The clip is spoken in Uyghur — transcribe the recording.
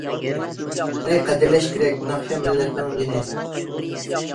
ئۇنى قەدىرلەش كېرەك، ناخشا مىللەتنىڭ جېنى.